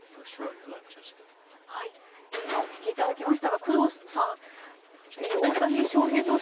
今お聞きいただきましたが工藤さん、大谷翔平投手